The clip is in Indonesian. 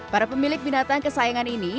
para pemilik binatang kesayangan ini